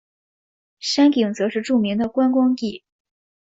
山顶则是著名的观光地。